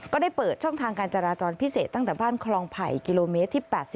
ก็ได้เปิดช่องทางการจราจรพิเศษตั้งแต่บ้านคลองไผ่กิโลเมตรที่๘๐